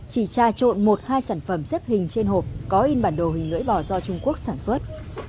chỉ trà trộn một hai sản phẩm xếp hình trên hộp có in bản đồ hình lưỡi bò do trung quốc sản xuất